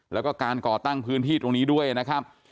แล้วก็การก่อตั้งพื้นที่ตรงนี้ด้วยนะครับ